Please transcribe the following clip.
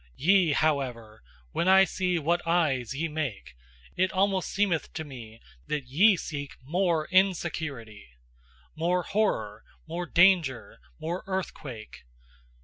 Ye, however, when I see what eyes ye make, it almost seemeth to me that ye seek MORE INSECURITY, More horror, more danger, more earthquake.